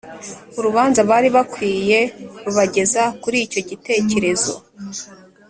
Urubanza bari bakwiye rubageza kuri icyo gitekerezo,